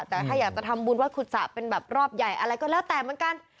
แต่ถ้าอยากจะทำบุญว่าขุดสะเป็นแบบรอบใหญ่อะไรก็แล้วแต่เหมือนกัน